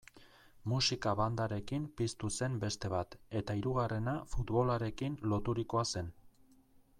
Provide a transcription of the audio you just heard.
Musika-bandarekin piztu zen beste bat, eta hirugarrena futbolarekin loturikoa zen.